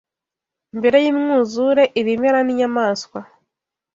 Mbere y’umwuzure, ibimera n’inyamaswa